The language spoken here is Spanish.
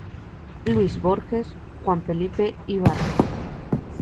Luis Borges, Juan Felipe Ibarra.